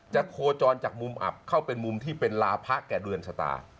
โคจรจากมุมอับเข้าเป็นมุมที่เป็นลาพะแก่เดือนชะตา